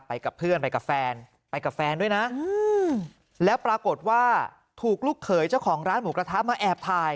กับเพื่อนไปกับแฟนไปกับแฟนด้วยนะแล้วปรากฏว่าถูกลูกเขยเจ้าของร้านหมูกระทะมาแอบถ่าย